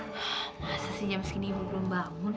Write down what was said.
masa sih jam segini belum bangun